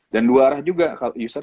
dan dua arah juga user